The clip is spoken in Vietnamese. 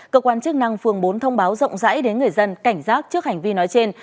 cơ quan chức năng phường bốn thông báo rộng rãi đến người dân cảnh giác trước hành vi nói trên